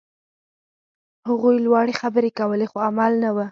هغوی لوړې خبرې کولې، خو عمل نه و.